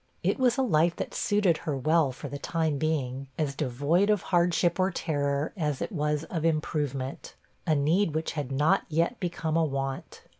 It was a life that suited her well for the time being as devoid of hardship or terror as it was of improvement; a need which had not yet become a want.